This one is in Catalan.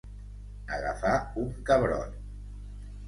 Agafar un cabrot.